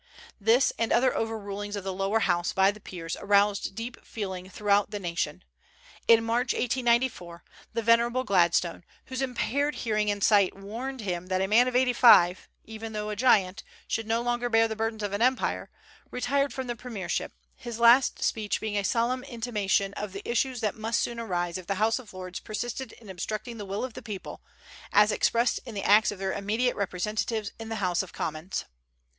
This, and other overrulings of the Lower House by the Peers, aroused deep feeling throughout the nation. In March, 1894, the venerable Gladstone, whose impaired hearing and sight warned him that a man of eighty five even though a giant should no longer bear the burdens of empire, retired from the premiership, his last speech being a solemn intimation of the issues that must soon arise if the House of Lords persisted in obstructing the will of the people, as expressed in the acts of their immediate representatives in the House of Commons.